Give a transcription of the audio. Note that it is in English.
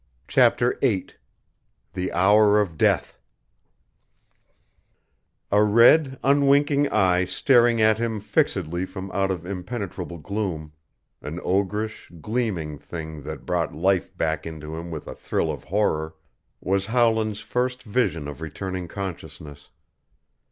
CHAPTER VIII THE HOUR OF DEATH A red, unwinking eye staring at him fixedly from out of impenetrable gloom an ogreish, gleaming thing that brought life back into him with a thrill of horror was Howland's first vision of returning consciousness.